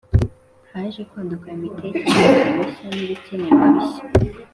Haje kwaduka imitekerereze mishya n ibikenerwa bishya